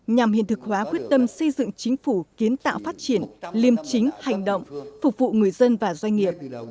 nhằm hiển thực hóa quyết tâm xây dựng chính phủ kiến tạo phát triển liêm chính hành động phục vụ người dân và doanh nghiệp